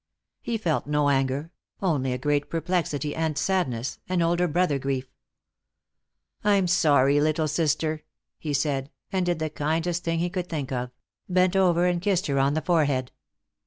He felt no anger, only a great perplexity and sadness, an older brother grief. "I'm sorry, little sister," he said, and did the kindest thing he could think of, bent over and kissed her on the forehead.